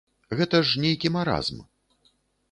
Гэта ж нейкі маразм.